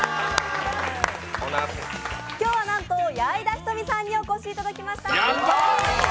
今日はなんと、矢井田瞳さんにお越しいただきました。